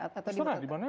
tidak peduli di mana saja